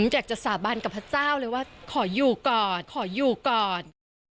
อยากจะสาบานกับพระเจ้าเลยว่าขออยู่ก่อนขออยู่ก่อน